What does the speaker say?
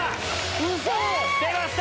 ウソ⁉出ました！